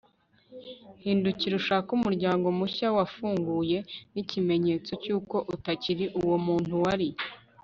hindukira ushake umuryango mushya wafunguye nikimenyetso cyuko utakiri uwo muntu wari